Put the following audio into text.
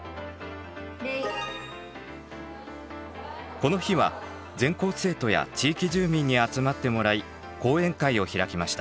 この日は全校生徒や地域住民に集まってもらい講演会を開きました。